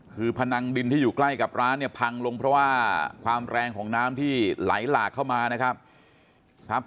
คือพนังดินที่อยู่ใกล้กับร้านเนี่ยพังลงเพราะว่าความแรงของน้ำที่ไหลหลากเข้ามานะครับ